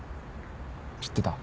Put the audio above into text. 知ってた？